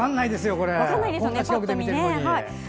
こんな近くで見てるのに。